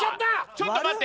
ちょっと待って。